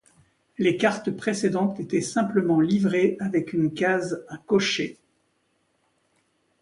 Les cartes précédentes étaient simplement livrées avec une case à cocher.